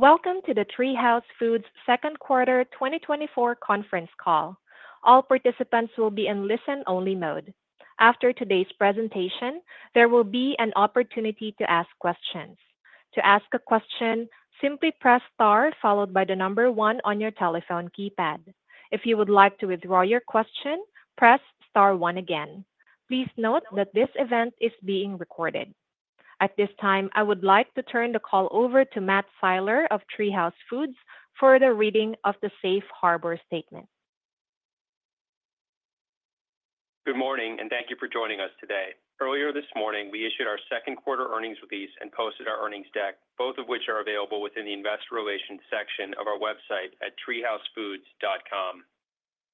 Welcome to the TreeHouse Foods second quarter 2024 conference call. All participants will be in listen-only mode. After today's presentation, there will be an opportunity to ask questions. To ask a question, simply press star followed by the number one on your telephone keypad. If you would like to withdraw your question, press star one again. Please note that this event is being recorded. At this time, I would like to turn the call over to Matt Siler of TreeHouse Foods for the reading of the Safe Harbor Statement. Good morning, and thank you for joining us today. Earlier this morning, we issued our second quarter earnings release and posted our earnings deck, both of which are available within the Investor Relations section of our website at TreeHouseFoods.com.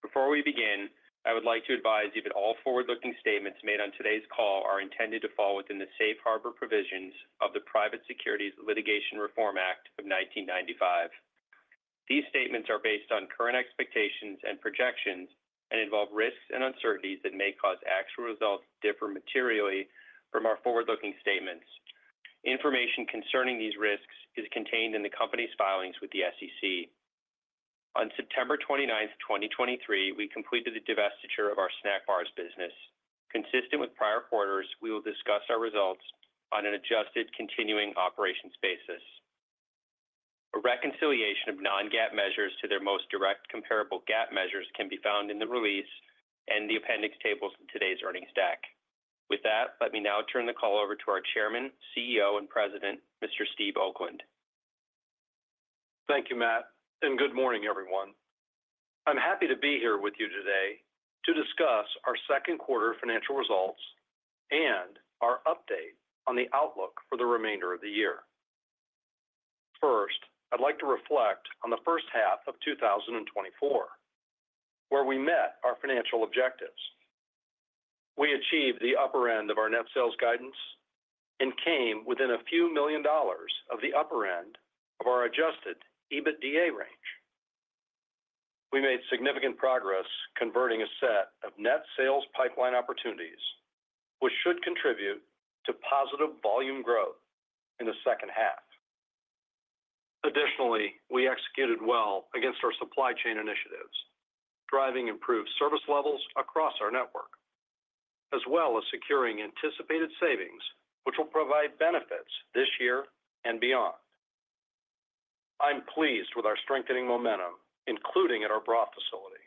Before we begin, I would like to advise you that all forward-looking statements made on today's call are intended to fall within the Safe Harbor provisions of the Private Securities Litigation Reform Act of 1995. These statements are based on current expectations and projections and involve risks and uncertainties that may cause actual results to differ materially from our forward-looking statements. Information concerning these risks is contained in the company's filings with the SEC. On September 29, 2023, we completed the divestiture of our snack bars business. Consistent with prior quarters, we will discuss our results on an adjusted continuing operations basis. A reconciliation of non-GAAP measures to their most direct comparable GAAP measures can be found in the release and the appendix tables of today's earnings deck. With that, let me now turn the call over to our Chairman, CEO, and President, Mr. Steve Oakland. Thank you, Matt, and good morning, everyone. I'm happy to be here with you today to discuss our second quarter financial results and our update on the outlook for the remainder of the year. First, I'd like to reflect on the first half of 2024, where we met our financial objectives. We achieved the upper end of our net sales guidance and came within a few million dollars of the upper end of our Adjusted EBITDA range. We made significant progress converting a set of net sales pipeline opportunities, which should contribute to positive volume growth in the second half. Additionally, we executed well against our supply chain initiatives, driving improved service levels across our network, as well as securing anticipated savings, which will provide benefits this year and beyond. I'm pleased with our strengthening momentum, including at our broth facility,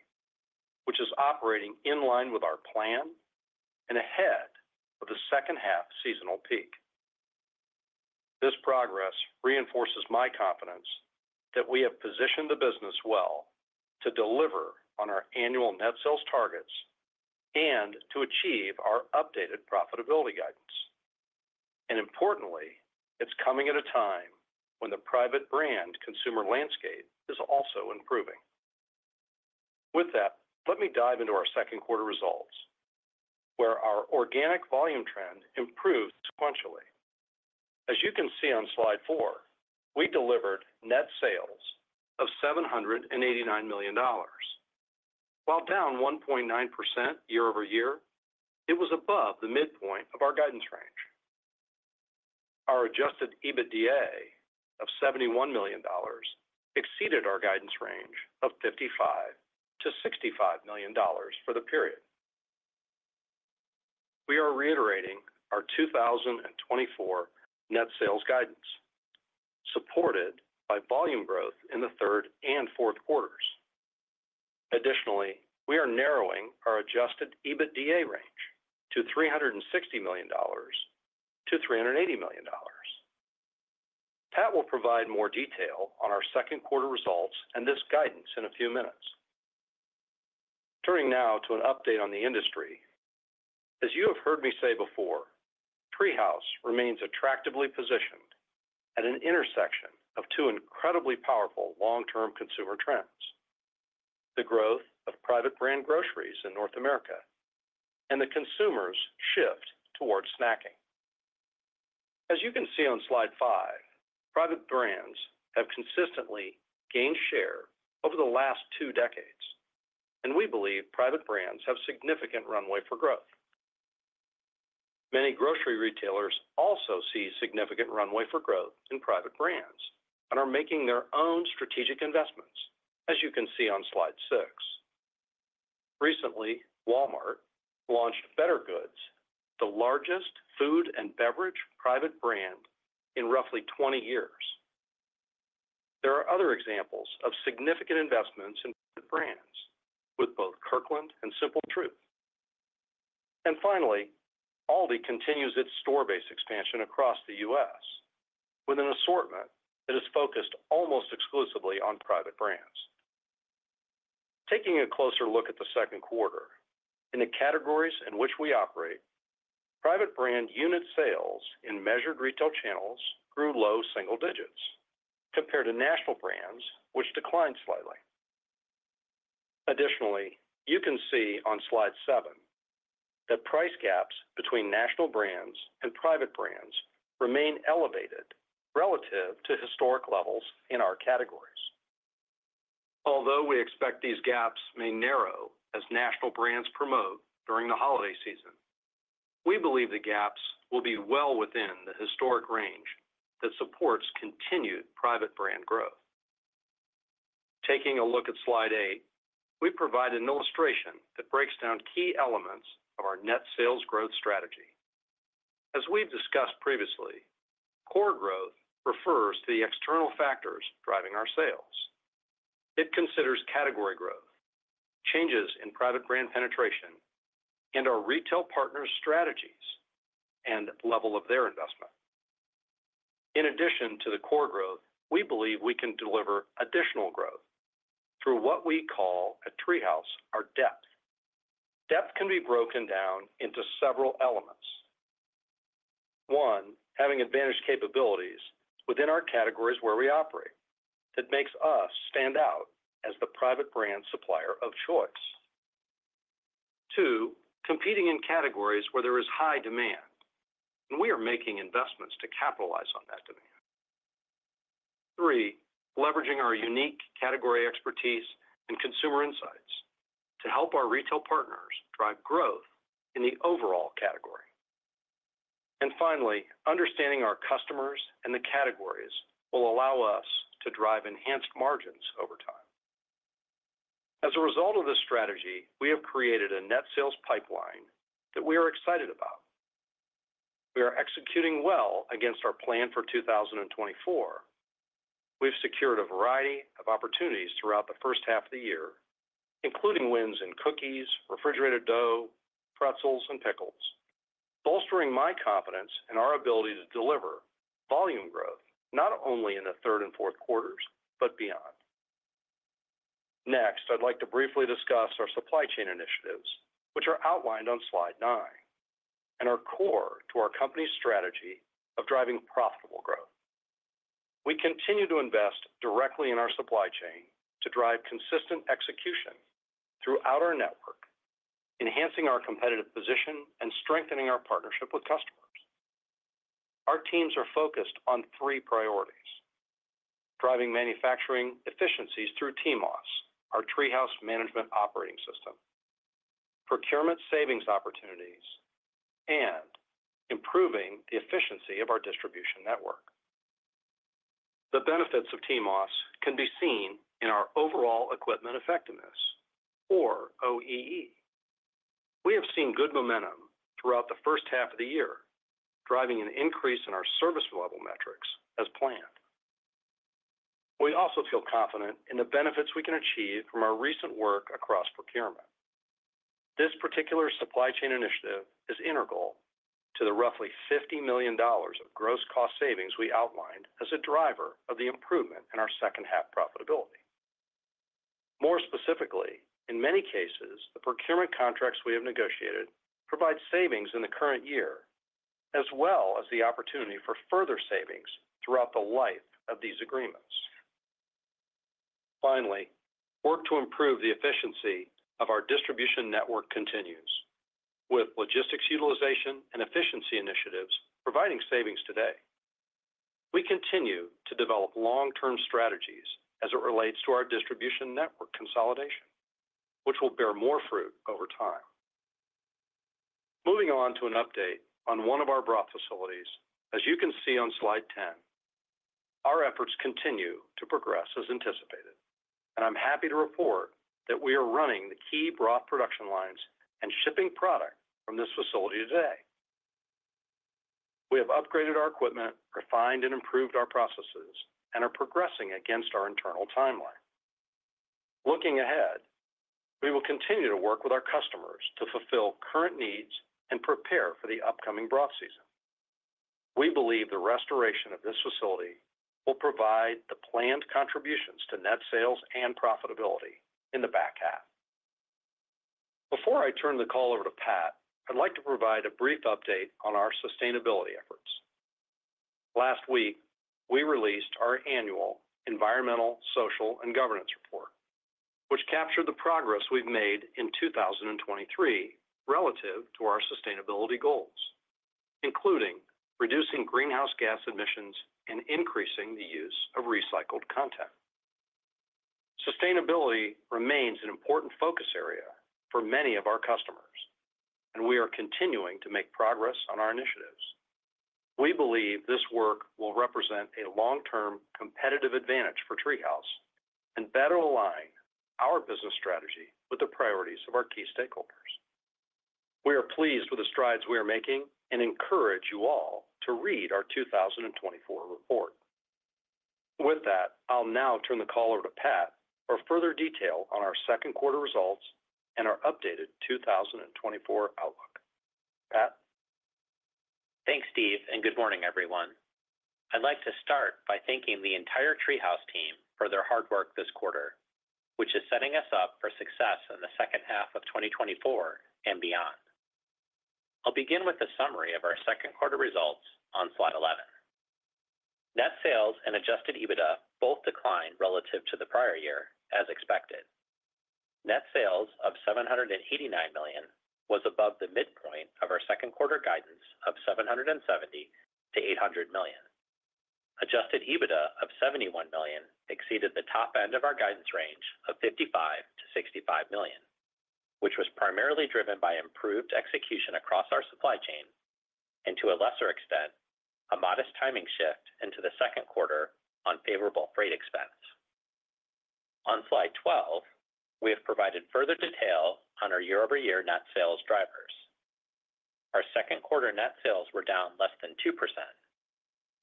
which is operating in line with our plan and ahead of the second half seasonal peak. This progress reinforces my confidence that we have positioned the business well to deliver on our annual net sales targets and to achieve our updated profitability guidance. Importantly, it's coming at a time when the private brand consumer landscape is also improving. With that, let me dive into our second quarter results, where our organic volume trend improved sequentially. As you can see on slide 4, we delivered net sales of $789 million. While down 1.9% year-over-year, it was above the midpoint of our guidance range. Our adjusted EBITDA of $71 million exceeded our guidance range of $55 million-$65 million for the period. We are reiterating our 2024 net sales guidance, supported by volume growth in the third and fourth quarters. Additionally, we are narrowing our Adjusted EBITDA range to $360 million-$380 million. Pat will provide more detail on our second quarter results and this guidance in a few minutes. Turning now to an update on the industry. As you have heard me say before, TreeHouse remains attractively positioned at an intersection of two incredibly powerful long-term consumer trends: the growth of private brand groceries in North America and the consumer's shift towards snacking. As you can see on slide five, private brands have consistently gained share over the last two decades, and we believe private brands have significant runway for growth. Many grocery retailers also see significant runway for growth in private brands and are making their own strategic investments, as you can see on slide six. Recently, Walmart launched Better Goods, the largest food and beverage private brand in roughly 20 years. There are other examples of significant investments in private brands, with both Kirkland and Simple Truth. And finally, Aldi continues its store-based expansion across the U.S. with an assortment that is focused almost exclusively on private brands. Taking a closer look at the second quarter, in the categories in which we operate, private brand unit sales in measured retail channels grew low single digits compared to national brands, which declined slightly. Additionally, you can see on slide 7 that price gaps between national brands and private brands remain elevated relative to historic levels in our categories. Although we expect these gaps may narrow as national brands promote during the holiday season, we believe the gaps will be well within the historic range that supports continued private brand growth. Taking a look at slide 8, we provide an illustration that breaks down key elements of our net sales growth strategy. As we've discussed previously, core growth refers to the external factors driving our sales. It considers category growth, changes in private brand penetration, and our retail partners' strategies and level of their investment. In addition to the core growth, we believe we can deliver additional growth through what we call at TreeHouse our depth. Depth can be broken down into several elements. One, having advantaged capabilities within our categories where we operate that makes us stand out as the private brand supplier of choice. Two, competing in categories where there is high demand, and we are making investments to capitalize on that demand. Three, leveraging our unique category expertise and consumer insights to help our retail partners drive growth in the overall category. Finally, understanding our customers and the categories will allow us to drive enhanced margins over time. As a result of this strategy, we have created a net sales pipeline that we are excited about. We are executing well against our plan for 2024. We've secured a variety of opportunities throughout the first half of the year, including wins in cookies, refrigerated dough, pretzels, and pickles, bolstering my confidence in our ability to deliver volume growth not only in the third and fourth quarters, but beyond. Next, I'd like to briefly discuss our supply chain initiatives, which are outlined on slide 9, and are core to our company's strategy of driving profitable growth. We continue to invest directly in our supply chain to drive consistent execution throughout our network, enhancing our competitive position and strengthening our partnership with customers. Our teams are focused on three priorities: driving manufacturing efficiencies through TMOS, our TreeHouse Management Operating System, procurement savings opportunities, and improving the efficiency of our distribution network. The benefits of TMOS can be seen in our overall equipment effectiveness, or OEE. We have seen good momentum throughout the first half of the year, driving an increase in our service level metrics as planned. We also feel confident in the benefits we can achieve from our recent work across procurement. This particular supply chain initiative is integral to the roughly $50 million of gross cost savings we outlined as a driver of the improvement in our second half profitability. More specifically, in many cases, the procurement contracts we have negotiated provide savings in the current year, as well as the opportunity for further savings throughout the life of these agreements. Finally, work to improve the efficiency of our distribution network continues, with logistics utilization and efficiency initiatives providing savings today. We continue to develop long-term strategies as it relates to our distribution network consolidation, which will bear more fruit over time. Moving on to an update on one of our broth facilities, as you can see on slide 10, our efforts continue to progress as anticipated, and I'm happy to report that we are running the key broth production lines and shipping product from this facility today. We have upgraded our equipment, refined and improved our processes, and are progressing against our internal timeline. Looking ahead, we will continue to work with our customers to fulfill current needs and prepare for the upcoming broth season. We believe the restoration of this facility will provide the planned contributions to net sales and profitability in the back half. Before I turn the call over to Pat, I'd like to provide a brief update on our sustainability efforts. Last week, we released our annual environmental, social, and governance report, which captured the progress we've made in 2023 relative to our sustainability goals, including reducing greenhouse gas emissions and increasing the use of recycled content. Sustainability remains an important focus area for many of our customers, and we are continuing to make progress on our initiatives. We believe this work will represent a long-term competitive advantage for TreeHouse and better align our business strategy with the priorities of our key stakeholders. We are pleased with the strides we are making and encourage you all to read our 2024 report. With that, I'll now turn the call over to Pat for further detail on our second quarter results and our updated 2024 outlook. Pat. Thanks, Steve, and good morning, everyone. I'd like to start by thanking the entire TreeHouse team for their hard work this quarter, which is setting us up for success in the second half of 2024 and beyond. I'll begin with a summary of our second quarter results on slide 11. Net sales and Adjusted EBITDA both declined relative to the prior year, as expected. Net sales of $789 million was above the midpoint of our second quarter guidance of $770 million-$800 million. Adjusted EBITDA of $71 million exceeded the top end of our guidance range of $55 million-$65 million, which was primarily driven by improved execution across our supply chain and, to a lesser extent, a modest timing shift into the second quarter on favorable freight expense. On slide 12, we have provided further detail on our year-over-year net sales drivers. Our second quarter net sales were down less than 2%,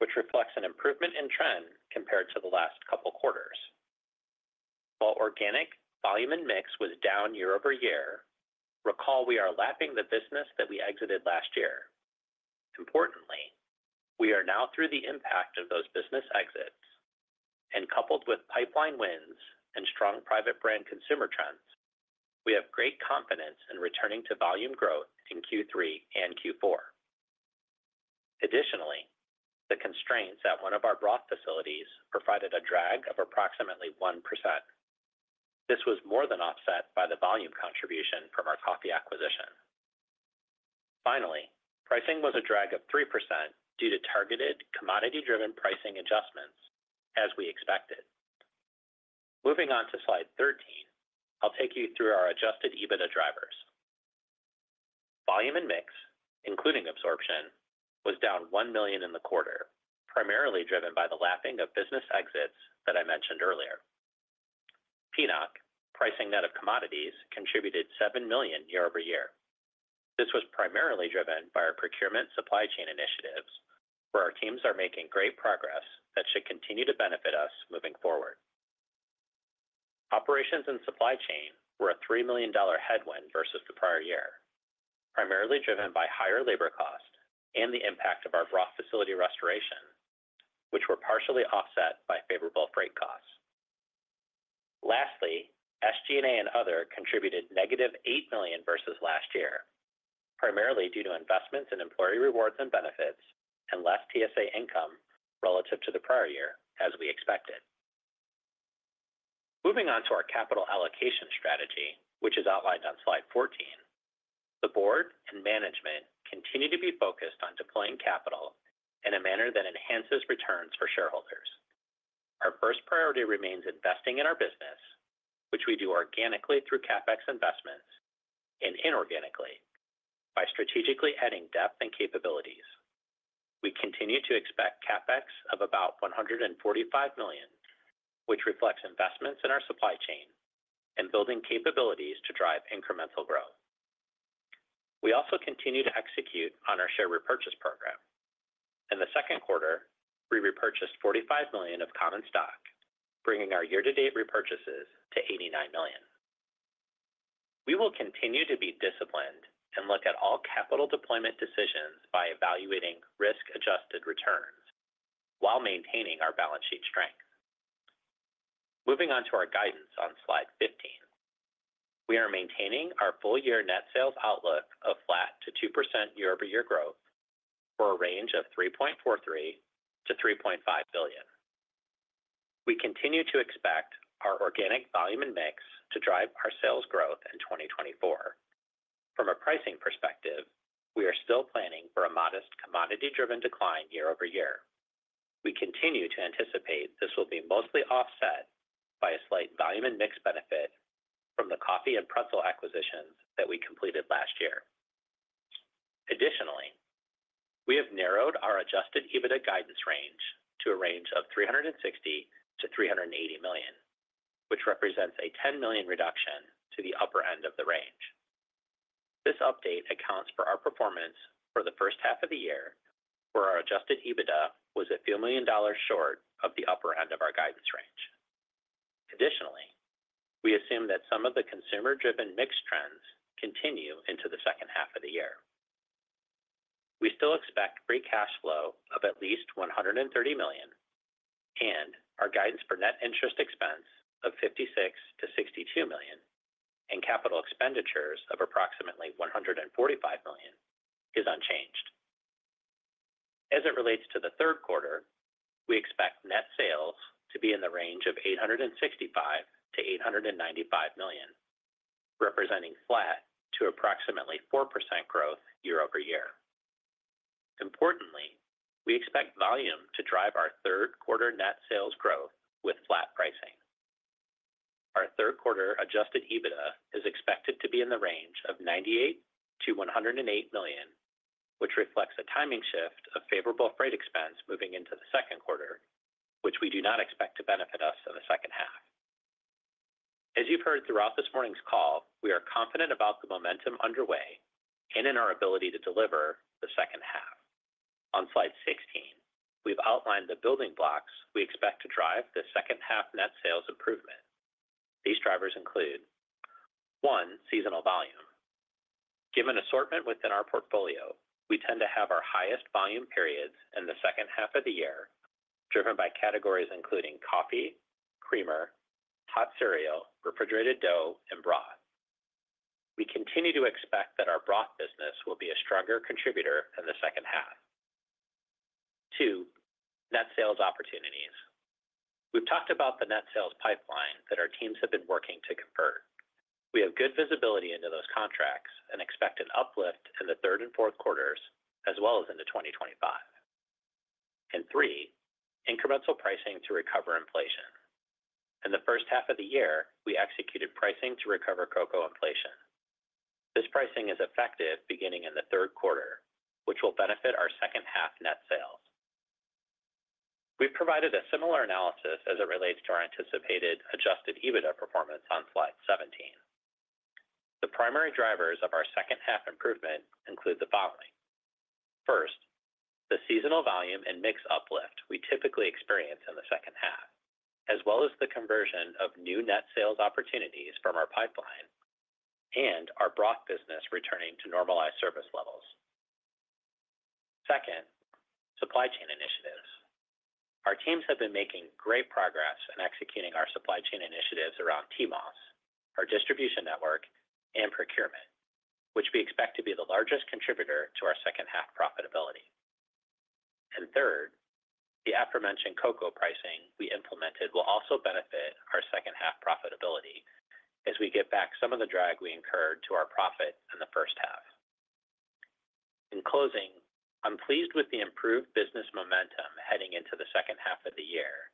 which reflects an improvement in trend compared to the last couple quarters. While organic volume and mix was down year-over-year, recall we are lapping the business that we exited last year. Importantly, we are now through the impact of those business exits, and coupled with pipeline wins and strong private brand consumer trends, we have great confidence in returning to volume growth in Q3 and Q4. Additionally, the constraints at one of our broth facilities provided a drag of approximately 1%. This was more than offset by the volume contribution from our coffee acquisition. Finally, pricing was a drag of 3% due to targeted commodity-driven pricing adjustments, as we expected. Moving on to slide 13, I'll take you through our Adjusted EBITDA drivers. Volume and mix, including absorption, was down $1 million in the quarter, primarily driven by the lapping of business exits that I mentioned earlier. PNOC, pricing net of commodities, contributed $7 million year-over-year. This was primarily driven by our procurement supply chain initiatives, where our teams are making great progress that should continue to benefit us moving forward. Operations and supply chain were a $3 million headwind versus the prior year, primarily driven by higher labor cost and the impact of our broth facility restoration, which were partially offset by favorable freight costs. Lastly, SG&A and Other contributed negative $8 million versus last year, primarily due to investments in employee rewards and benefits and less TSA income relative to the prior year, as we expected. Moving on to our capital allocation strategy, which is outlined on slide 14, the board and management continue to be focused on deploying capital in a manner that enhances returns for shareholders. Our first priority remains investing in our business, which we do organically through CapEx investments and inorganically by strategically adding depth and capabilities. We continue to expect CapEx of about $145 million, which reflects investments in our supply chain and building capabilities to drive incremental growth. We also continue to execute on our share repurchase program. In the second quarter, we repurchased 45 million of common stock, bringing our year-to-date repurchases to 89 million. We will continue to be disciplined and look at all capital deployment decisions by evaluating risk-adjusted returns while maintaining our balance sheet strength. Moving on to our guidance on slide 15, we are maintaining our full-year net sales outlook of flat to 2% year-over-year growth for a range of $3.43 billion-$3.5 billion. We continue to expect our organic volume and mix to drive our sales growth in 2024. From a pricing perspective, we are still planning for a modest commodity-driven decline year-over-year. We continue to anticipate this will be mostly offset by a slight volume and mix benefit from the coffee and pretzel acquisitions that we completed last year. Additionally, we have narrowed our Adjusted EBITDA guidance range to a range of $360 million-$380 million, which represents a $10 million reduction to the upper end of the range. This update accounts for our performance for the first half of the year, where our Adjusted EBITDA was a few million dollars short of the upper end of our guidance range. Additionally, we assume that some of the consumer-driven mix trends continue into the second half of the year. We still expect free cash flow of at least $130 million, and our guidance for net interest expense of $56 million-$62 million and capital expenditures of approximately $145 million is unchanged. As it relates to the third quarter, we expect net sales to be in the range of $865 million-$895 million, representing flat to approximately 4% growth year-over-year. Importantly, we expect volume to drive our third quarter net sales growth with flat pricing. Our third quarter Adjusted EBITDA is expected to be in the range of $98 million-$108 million, which reflects a timing shift of favorable freight expense moving into the second quarter, which we do not expect to benefit us in the second half. As you've heard throughout this morning's call, we are confident about the momentum underway and in our ability to deliver the second half. On slide 16, we've outlined the building blocks we expect to drive the second half net sales improvement. These drivers include: one, seasonal volume. Given assortment within our portfolio, we tend to have our highest volume periods in the second half of the year, driven by categories including coffee, creamer, hot cereal, refrigerated dough, and broth. We continue to expect that our broth business will be a stronger contributor in the second half. Two, net sales opportunities. We've talked about the net sales pipeline that our teams have been working to convert. We have good visibility into those contracts and expect an uplift in the third and fourth quarters, as well as into 2025. And three, incremental pricing to recover inflation. In the first half of the year, we executed pricing to recover Cocoa inflation. This pricing is effective beginning in the third quarter, which will benefit our second half net sales. We've provided a similar analysis as it relates to our anticipated Adjusted EBITDA performance on slide 17. The primary drivers of our second half improvement include the following: first, the seasonal volume and mix uplift we typically experience in the second half, as well as the conversion of new net sales opportunities from our pipeline and our broth business returning to normalized service levels. Second, supply chain initiatives. Our teams have been making great progress in executing our supply chain initiatives around TMOS, our distribution network, and procurement, which we expect to be the largest contributor to our second half profitability. And third, the aforementioned Cocoa pricing we implemented will also benefit our second half profitability as we get back some of the drag we incurred to our profit in the first half. In closing, I'm pleased with the improved business momentum heading into the second half of the year,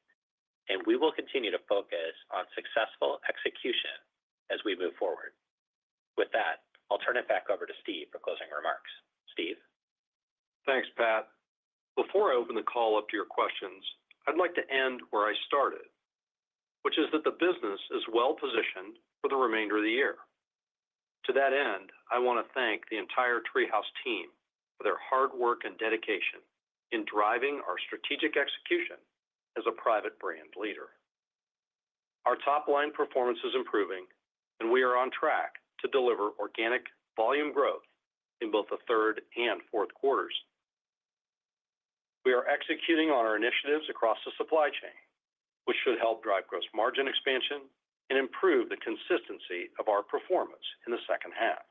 and we will continue to focus on successful execution as we move forward. With that, I'll turn it back over to Steve for closing remarks. Steve? Thanks, Pat. Before I open the call up to your questions, I'd like to end where I started, which is that the business is well positioned for the remainder of the year. To that end, I want to thank the entire TreeHouse team for their hard work and dedication in driving our strategic execution as a private brand leader. Our top-line performance is improving, and we are on track to deliver organic volume growth in both the third and fourth quarters. We are executing on our initiatives across the supply chain, which should help drive gross margin expansion and improve the consistency of our performance in the second half.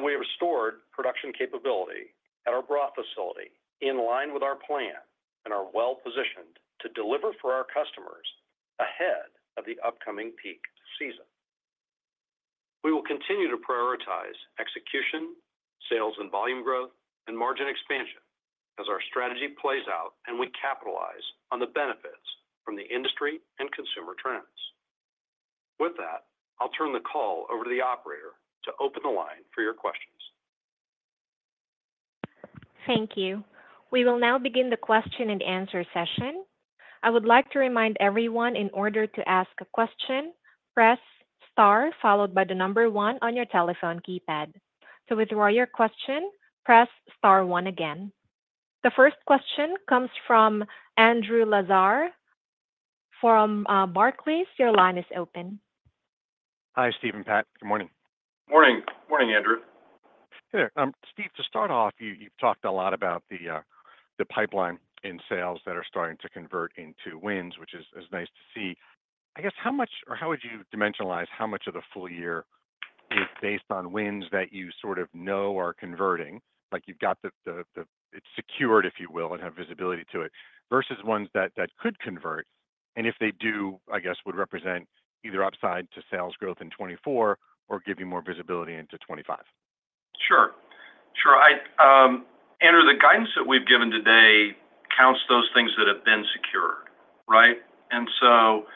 We have restored production capability at our broth facility in line with our plan and are well positioned to deliver for our customers ahead of the upcoming peak season. We will continue to prioritize execution, sales and volume growth, and margin expansion as our strategy plays out and we capitalize on the benefits from the industry and consumer trends. With that, I'll turn the call over to the operator to open the line for your questions. Thank you. We will now begin the question-and-answer session. I would like to remind everyone in order to ask a question, press star followed by the number one on your telephone keypad. To withdraw your question, press star one again. The first question comes from Andrew Lazar from Barclays. Your line is open. Hi, Steven, Pat. Good morning. Morning, Andrew. Hey there. Steve, to start off, you've talked a lot about the pipeline and sales that are starting to convert into wins, which is nice to see. I guess how much or how would you dimensionalize how much of the full year is based on wins that you sort of know are converting, like you've got the it's secured, if you will, and have visibility to it, versus ones that could convert and if they do, I guess, would represent either upside to sales growth in 2024 or give you more visibility into 2025? Sure. Andrew, the guidance that we've given today counts those things that have been secured, right? And so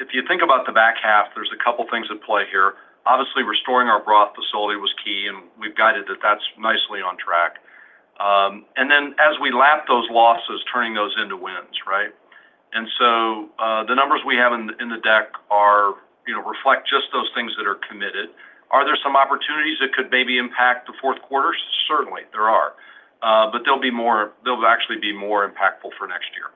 if you think about the back half, there's a couple things at play here. Obviously, restoring our broth facility was key, and we've guided that that's nicely on track. And then as we lap those losses, turning those into wins, right? And so the numbers we have in the deck reflect just those things that are committed. Are there some opportunities that could maybe impact the fourth quarter? Certainly, there are. But they'll actually be more impactful for next year.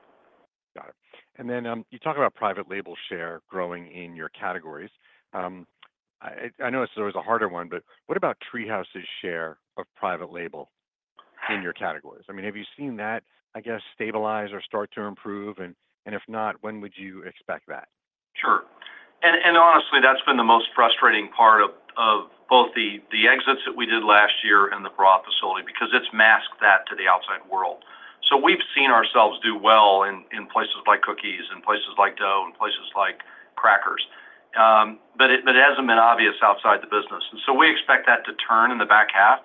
Got it. And then you talk about private label share growing in your categories. I know it's always a harder one, but what about TreeHouse's share of private label in your categories? I mean, have you seen that, I guess, stabilize or start to improve? And if not, when would you expect that? Sure. Honestly, that's been the most frustrating part of both the exits that we did last year and the broth facility because it's masked that to the outside world. We've seen ourselves do well in places like cookies and places like dough and places like crackers. But it hasn't been obvious outside the business. We expect that to turn in the back half.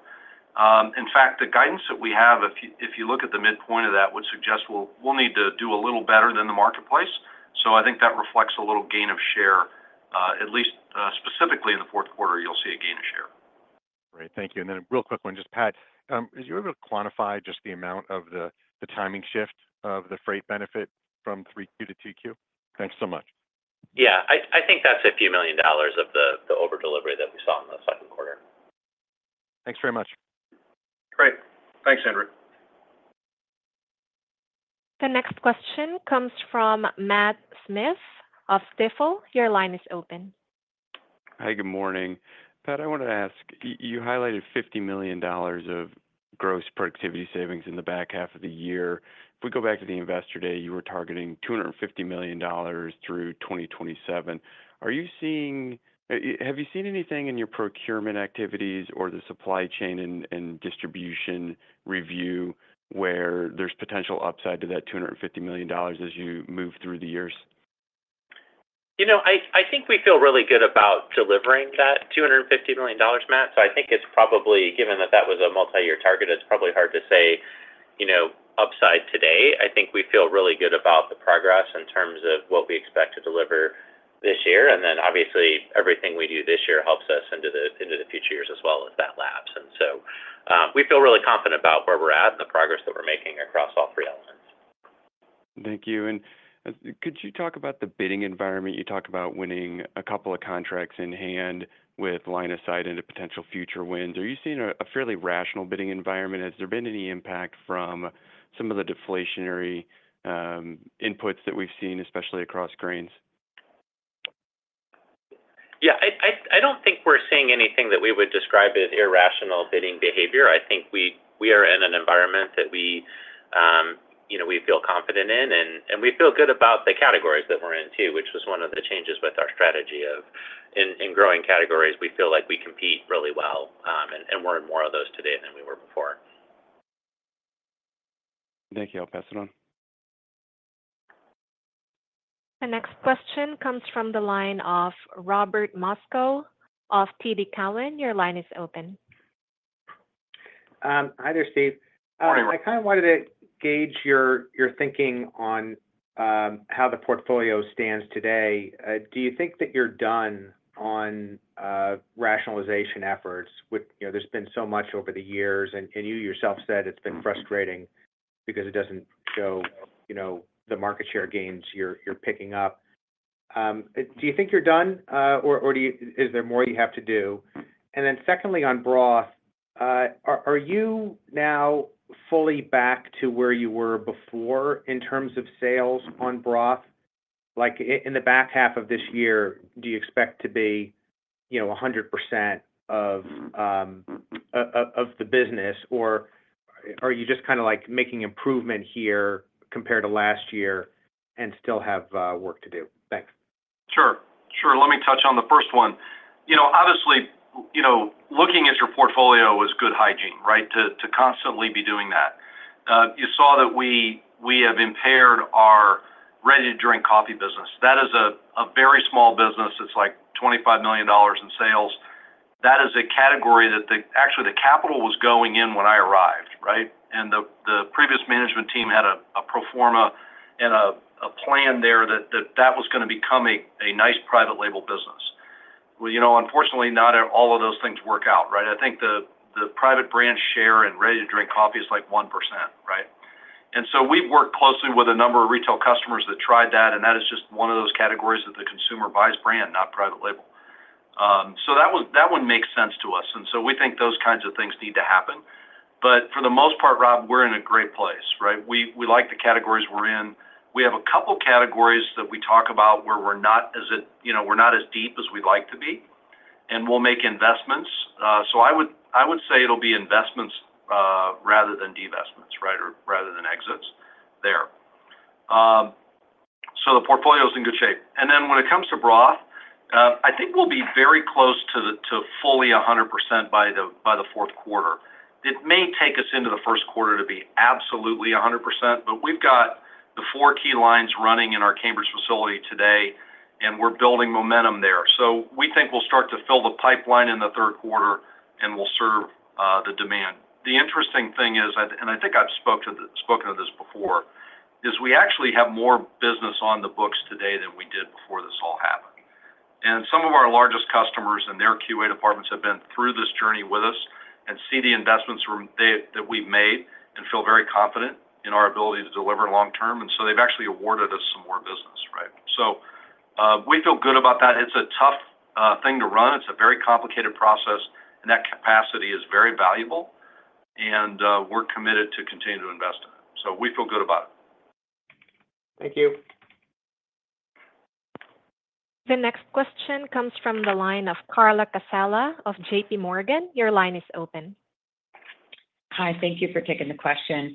In fact, the guidance that we have, if you look at the midpoint of that, would suggest we'll need to do a little better than the marketplace. I think that reflects a little gain of share, at least specifically in the fourth quarter, you'll see a gain of share. Great. Thank you. Then real quick one, just Pat, are you able to quantify just the amount of the timing shift of the freight benefit from 3Q to 2Q? Thanks so much. Yeah. I think that's a few million dollars of the overdelivery that we saw in the second quarter. Thanks very much. Great. Thanks, Andrew. The next question comes from Matt Smith of Stifel. Your line is open. Hi, good morning. Pat, I wanted to ask, you highlighted $50 million of gross productivity savings in the back half of the year. If we go back to the investor day, you were targeting $250 million through 2027. Have you seen anything in your procurement activities or the supply chain and distribution review where there's potential upside to that $250 million as you move through the years? I think we feel really good about delivering that $250 million, Matt. So I think it's probably, given that that was a multi-year target, it's probably hard to say upside today. I think we feel really good about the progress in terms of what we expect to deliver this year. And then obviously, everything we do this year helps us into the future years as well if that laps. And so we feel really confident about where we're at and the progress that we're making across all three elements. Thank you. Could you talk about the bidding environment? You talk about winning a couple of contracts in hand with line of sight into potential future wins. Are you seeing a fairly rational bidding environment? Has there been any impact from some of the deflationary inputs that we've seen, especially across grains? Yeah. I don't think we're seeing anything that we would describe as irrational bidding behavior. I think we are in an environment that we feel confident in, and we feel good about the categories that we're in too, which was one of the changes with our strategy of in growing categories, we feel like we compete really well and we're in more of those today than we were before. Thank you. I'll pass it on. The next question comes from the line of Robert Moskow of TD Cowen. Your line is open. Hi there, Steve. Morning. I kind of wanted to gauge your thinking on how the portfolio stands today. Do you think that you're done on rationalization efforts? There's been so much over the years, and you yourself said it's been frustrating because it doesn't show the market share gains you're picking up. Do you think you're done, or is there more you have to do? And then secondly, on broth, are you now fully back to where you were before in terms of sales on broth? In the back half of this year, do you expect to be 100% of the business, or are you just kind of making improvement here compared to last year and still have work to do? Thanks. Sure. Let me touch on the first one. Obviously, looking at your portfolio is good hygiene, right, to constantly be doing that. You saw that we have impaired our ready-to-drink coffee business. That is a very small business. It's like $25 million in sales. That is a category that actually the capital was going in when I arrived, right? And the previous management team had a pro forma and a plan there that that was going to become a nice private label business. Unfortunately, not all of those things work out, right? I think the private brand share in ready-to-drink coffee is like 1%, right? And so we've worked closely with a number of retail customers that tried that, and that is just one of those categories that the consumer buys brand, not private label. So that one makes sense to us. We think those kinds of things need to happen. For the most part, Rob, we're in a great place, right? We like the categories we're in. We have a couple of categories that we talk about where we're not as deep as we'd like to be, and we'll make investments. I would say it'll be investments rather than divestments, right, or rather than exits there. The portfolio is in good shape. When it comes to broth, I think we'll be very close to fully 100% by the fourth quarter. It may take us into the first quarter to be absolutely 100%, but we've got the four key lines running in our Cambridge facility today, and we're building momentum there. We think we'll start to fill the pipeline in the third quarter, and we'll serve the demand. The interesting thing is, and I think I've spoken of this before, is we actually have more business on the books today than we did before this all happened. And some of our largest customers and their QA departments have been through this journey with us and see the investments that we've made and feel very confident in our ability to deliver long-term. And so they've actually awarded us some more business, right? So we feel good about that. It's a tough thing to run. It's a very complicated process, and that capacity is very valuable, and we're committed to continue to invest in it. So we feel good about it. Thank you. The next question comes from the line of Carla Casella of JPMorgan. Your line is open. Hi. Thank you for taking the question.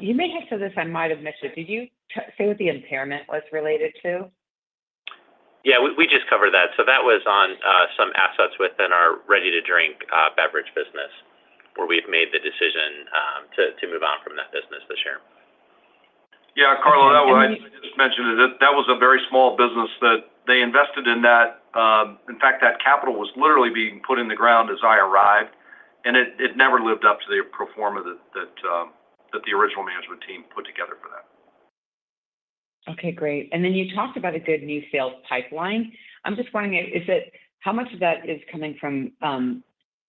You may have said this; I might have missed it. Did you say what the impairment was related to? Yeah. We just covered that. So that was on some assets within our ready-to-drink beverage business where we've made the decision to move on from that business this year. Yeah. Carla, that was just mentioned. That was a very small business that they invested in that. In fact, that capital was literally being put in the ground as I arrived, and it never lived up to the proforma that the original management team put together for that. Okay. Great. And then you talked about a good new sales pipeline. I'm just wondering, how much of that is coming from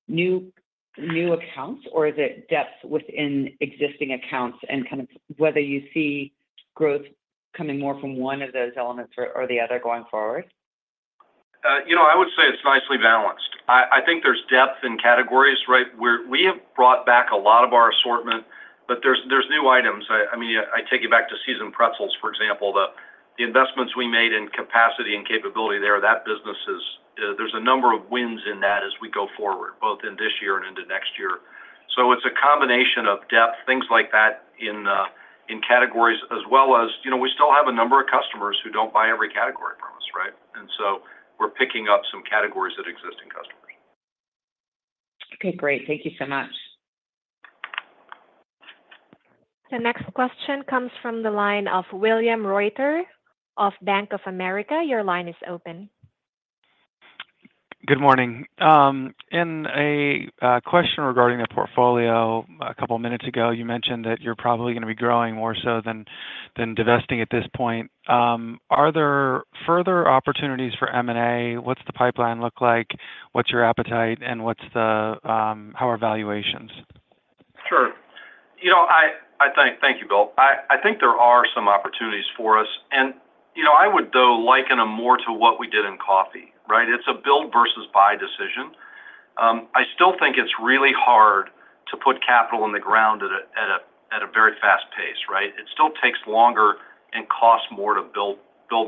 new accounts, or is it depth within existing accounts and kind of whether you see growth coming more from one of those elements or the other going forward? I would say it's nicely balanced. I think there's depth in categories, right? We have brought back a lot of our assortment, but there's new items. I mean, I take you back to seasoned pretzels, for example. The investments we made in capacity and capability there, that business, there's a number of wins in that as we go forward, both in this year and into next year. So it's a combination of depth, things like that in categories, as well as we still have a number of customers who don't buy every category from us, right? And so we're picking up some categories that exist in customers. Okay. Great. Thank you so much. The next question comes from the line of William Reuter of Bank of America. Your line is open. Good morning. In a question regarding the portfolio, a couple of minutes ago, you mentioned that you're probably going to be growing more so than divesting at this point. Are there further opportunities for M&A? What's the pipeline look like? What's your appetite, and how are valuations? Sure. Thank you, Will. I think there are some opportunities for us. And I would, though, liken them more to what we did in coffee, right? It's a build versus buy decision. I still think it's really hard to put capital in the ground at a very fast pace, right? It still takes longer and costs more to build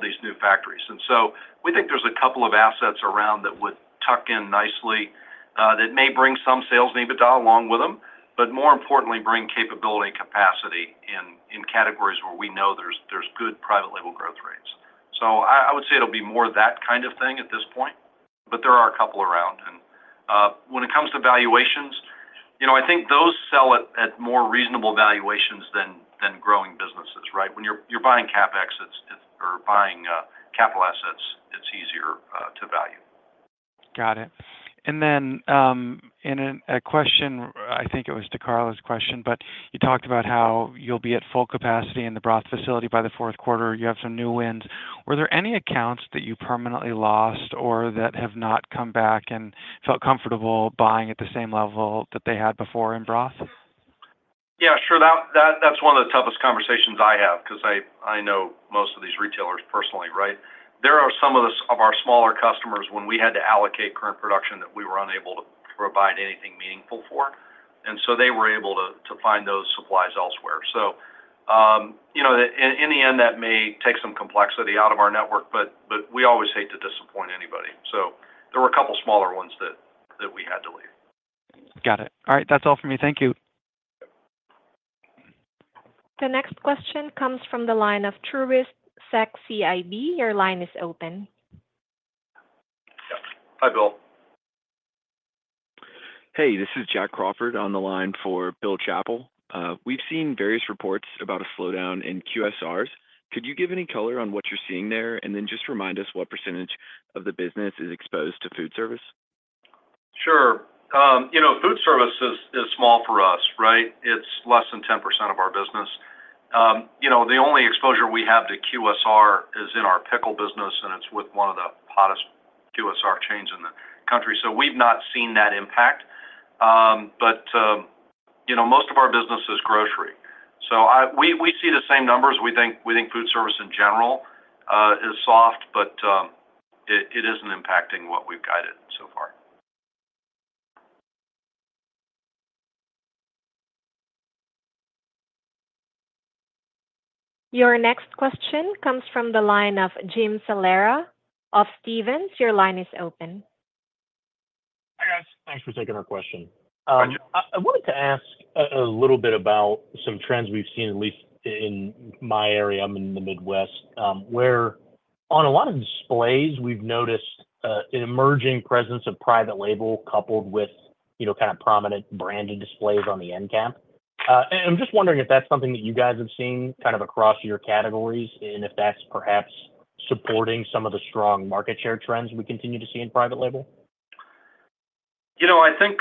these new factories. And so we think there's a couple of assets around that would tuck in nicely that may bring some sales need to dial along with them, but more importantly, bring capability and capacity in categories where we know there's good private label growth rates. So I would say it'll be more that kind of thing at this point, but there are a couple around. And when it comes to valuations, I think those sell at more reasonable valuations than growing businesses, right? When you're buying CapEx or buying capital assets, it's easier to value. Got it. Then in a question, I think it was to Carla's question, but you talked about how you'll be at full capacity in the broth facility by the fourth quarter. You have some new wins. Were there any accounts that you permanently lost or that have not come back and felt comfortable buying at the same level that they had before in broth? Yeah. Sure. That's one of the toughest conversations I have because I know most of these retailers personally, right? There are some of our smaller customers when we had to allocate current production that we were unable to provide anything meaningful for. And so they were able to find those supplies elsewhere. So in the end, that may take some complexity out of our network, but we always hate to disappoint anybody. So there were a couple of smaller ones that we had to leave. Got it. All right. That's all for me. Thank you. The next question comes from the line of [Truist Securities]. Your line is open. Hi, Bill. Hey, this is Jack Crawford on the line for Bill Chappell. We've seen various reports about a slowdown in QSRs. Could you give any color on what you're seeing there and then just remind us what percentage of the business is exposed to food service? Sure. Food service is small for us, right? It's less than 10% of our business. The only exposure we have to QSR is in our pickle business, and it's with one of the hottest QSR chains in the country. So we've not seen that impact. But most of our business is grocery. So we see the same numbers. We think food service in general is soft, but it isn't impacting what we've guided so far. Your next question comes from the line of Jim Salera of Stephens. Your line is open. Hi, guys. Thanks for taking our question. I wanted to ask a little bit about some trends we've seen, at least in my area. I'm in the Midwest, where on a lot of displays, we've noticed an emerging presence of private label coupled with kind of prominent branded displays on the end cap. I'm just wondering if that's something that you guys have seen kind of across your categories and if that's perhaps supporting some of the strong market share trends we continue to see in private label. I think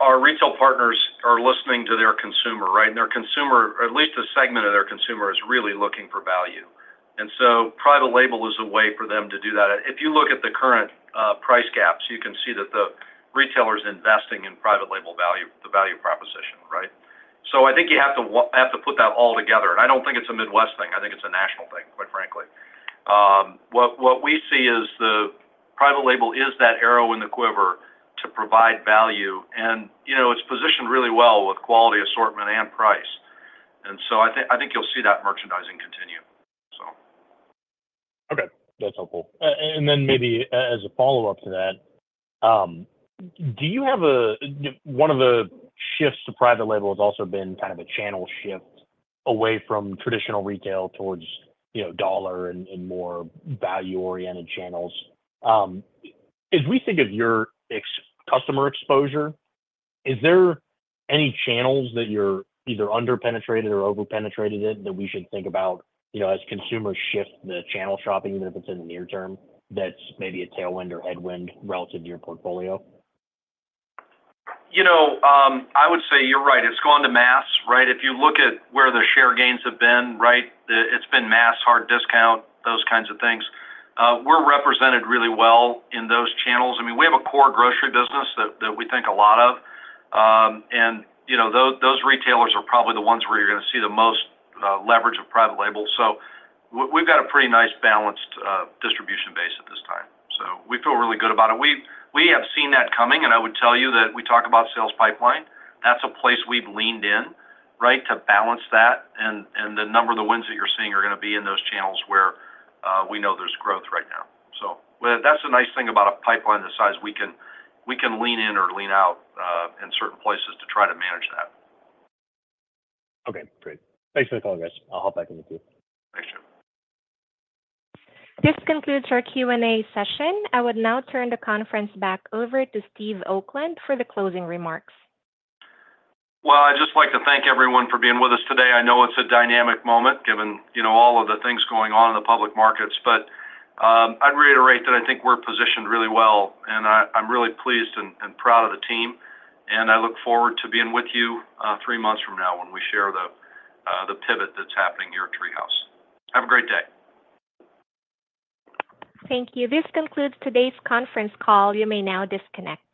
our retail partners are listening to their consumer, right? And their consumer, or at least a segment of their consumer, is really looking for value. And so private label is a way for them to do that. If you look at the current price gaps, you can see that the retailer's investing in private label value, the value proposition, right? So I think you have to put that all together. And I don't think it's a Midwest thing. I think it's a national thing, quite frankly. What we see is the private label is that arrow in the quiver to provide value, and it's positioned really well with quality assortment and price. And so I think you'll see that merchandising continue, so. Okay. That's helpful. And then maybe as a follow-up to that, do you have one of the shifts to private label has also been kind of a channel shift away from traditional retail towards dollar and more value-oriented channels? As we think of your customer exposure, is there any channels that you're either under-penetrated or over-penetrated in that we should think about as consumers shift the channel shopping, even if it's in the near-term, that's maybe a tailwind or headwind relative to your portfolio? I would say you're right. It's gone to mass, right? If you look at where the share gains have been, right, it's been mass, hard discount, those kinds of things. We're represented really well in those channels. I mean, we have a core grocery business that we think a lot of, and those retailers are probably the ones where you're going to see the most leverage of private label. So we've got a pretty nice balanced distribution base at this time. So we feel really good about it. We have seen that coming, and I would tell you that we talk about sales pipeline. That's a place we've leaned in, right, to balance that. And the number of the wins that you're seeing are going to be in those channels where we know there's growth right now. So that's the nice thing about a pipeline this size. We can lean in or lean out in certain places to try to manage that. Okay. Great. Thanks for the call, guys. I'll hop back in the queue. Thanks, Jim. This concludes our Q&A session. I would now turn the conference back over to Steve Oakland for the closing remarks. Well, I'd just like to thank everyone for being with us today. I know it's a dynamic moment given all of the things going on in the public markets, but I'd reiterate that I think we're positioned really well, and I'm really pleased and proud of the team. And I look forward to being with you three months from now when we share the pivot that's happening here at TreeHouse. Have a great day. Thank you. This concludes today's conference call. You may now disconnect.